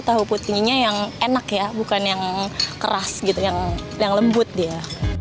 tahu putihnya yang enak ya bukan yang keras gitu yang lembut dia